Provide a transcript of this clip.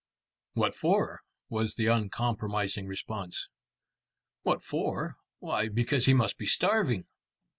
"What for?" was the uncompromising response. "What for? Why, because he must be starving."